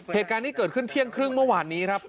เหตุการณ์นี้เกิดขึ้นเที่ยงครึ่งเมื่อวานนี้ครับ